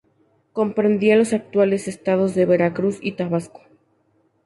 Comprendía los actuales estados de Veracruz y Tabasco.